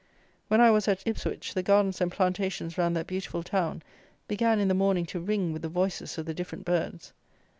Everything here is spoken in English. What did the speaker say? When I was at Ipswich, the gardens and plantations round that beautiful town began in the morning to ring with the voices of the different birds.